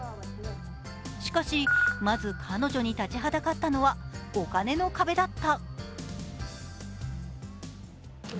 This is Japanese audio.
しかし、まず彼女に立ちはだかったのは、お金の壁だった。